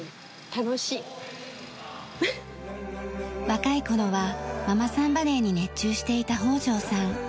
若い頃はママさんバレーに熱中していた北條さん。